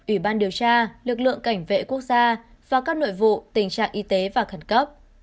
ủy ban điều tra lực lượng cảnh vệ quốc gia và các nội vụ tình trạng y tế và khẩn cấp